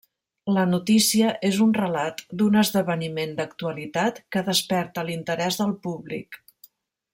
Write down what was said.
La notícia és un relat d'un esdeveniment d'actualitat, que desperta l'interès del públic.